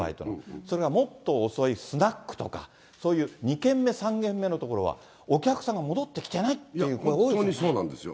それからもっと遅いスナックとか、そういう２軒目、３軒目の所ではお客様戻ってきてないという声、本当にそうなんですよ。